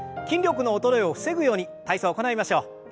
筋力の衰えを防ぐように体操行いましょう。